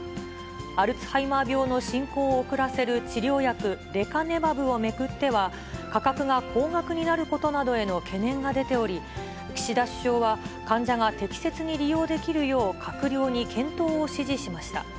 アルツハイマー病の進行を遅らせる治療薬、レカネマブを巡っては、価格が高額になることなどへの懸念が出ており、岸田首相は、患者が適切に利用できるよう、閣僚に検討を指示しました。